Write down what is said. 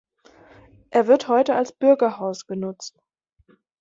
Er wird heute als „Bürgerhaus“ genutzt.